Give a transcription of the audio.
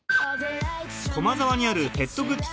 駒沢にあるペットグッズ